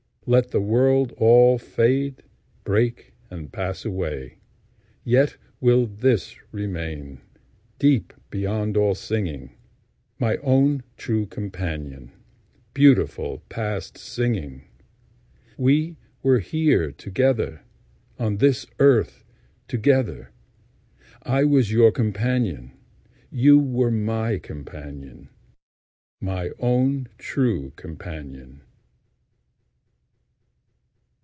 Let the world all fade, Break and pass away. Yet will this remain, Deep beyond all singing, My own true companion, Beautiful past singing:We were here together—On this earth together;I was your companion, You were my companion, My own true companion.